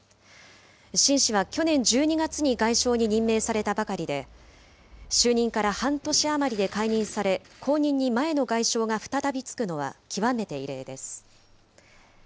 秦氏は去年１２月に外相に任命されたばかりで、就任から半年余りで解任され、後任に前の外相が再び就くのは極めて異例です。